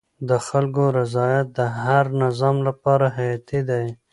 د خلکو رضایت د هر نظام لپاره حیاتي دی